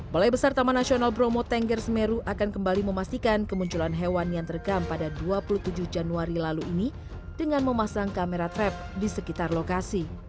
balai besar taman nasional bromo tengger semeru akan kembali memastikan kemunculan hewan yang terekam pada dua puluh tujuh januari lalu ini dengan memasang kamera trap di sekitar lokasi